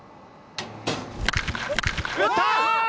打った！